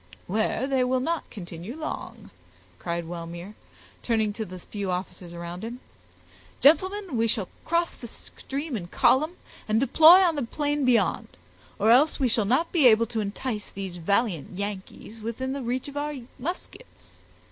"Where they will not continue long," cried Wellmere, turning to the few officers around him. "Gentlemen, we will cross the stream in column, and deploy on the plain beyond, or else we shall not be able to entice these valiant Yankees within the reach of our muskets.